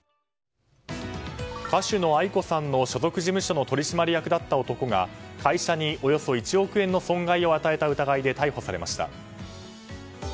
歌手のａｉｋｏさんの所属事務所の取締役だった男が会社におよそ１億円の損害を与えた疑いで逮捕されました。